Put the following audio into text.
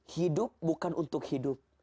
hidup bukan untuk hidup